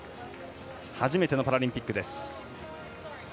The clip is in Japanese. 初めてのパラリンピックです。